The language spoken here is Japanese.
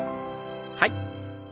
はい。